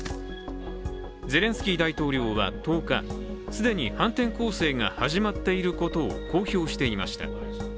ゼレンスキー大統領は１０日既に反転攻勢が始まっていることを公表していました。